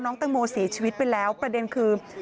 ตังโมเสียชีวิตไปแล้วประเด็นคือ